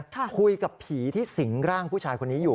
คุยกับผีที่สิงร่างผู้ชายคนนี้อยู่